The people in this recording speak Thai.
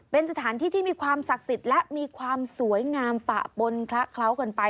เป็นสถานที่ที่มีความศักดิ์สิทธิ์และมีความสวยงามปะปนคละเคล้ากันไป